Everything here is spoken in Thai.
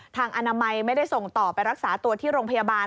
อนามัยไม่ได้ส่งต่อไปรักษาตัวที่โรงพยาบาล